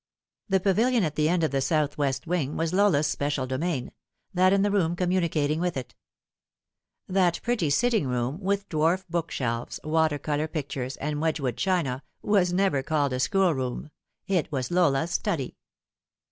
The pavilion at the end of the south west wing was Lola's Bpecial domain, that and the room communicating with it. That pretty sitting room, with dwarf bookshelves, water colour pic tures, and Wedgwood china, was never called a schoolroom. It was Lola's study.